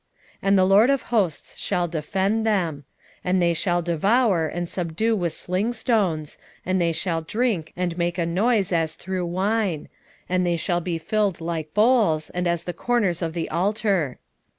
9:15 The LORD of hosts shall defend them; and they shall devour, and subdue with sling stones; and they shall drink, and make a noise as through wine; and they shall be filled like bowls, and as the corners of the altar.